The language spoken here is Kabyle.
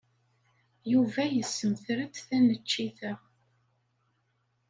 Yuba yessemter-d taneččit-a.